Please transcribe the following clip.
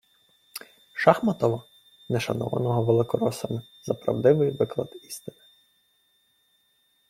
Шахматова, не шанованого великоросами за правдивий виклад істини